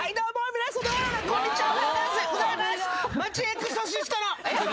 皆さまこんにちは。